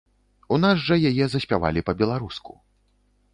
У нас жа яе заспявалі па-беларуску.